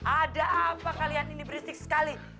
ada apa kalian ini berisik sekali